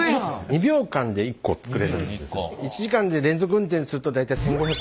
１時間で連続運転すると大体１，５００個ぐらい作れます。